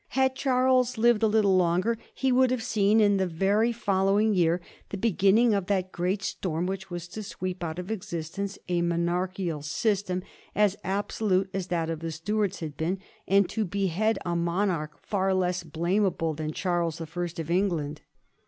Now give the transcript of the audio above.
Had Charles lived a little longer, he would have seen in the very following year the beginning of that great storm which was to sweep out of existence a monarchical system as absolute as that of the Stuarts had been, and to behead a monarch far less blamable than Charles the First of England.